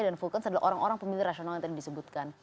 dan vulcans adalah orang orang pemilih rasional yang tadi disebutkan